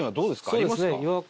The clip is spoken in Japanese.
ありますか？